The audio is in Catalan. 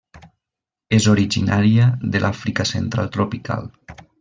És originària de l'Àfrica Central tropical.